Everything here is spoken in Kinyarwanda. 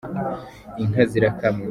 inka zirakamwa